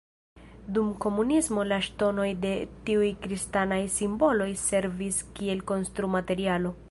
Dum komunismo la ŝtonoj de tiuj kristanaj simboloj servis kiel konstrumaterialo.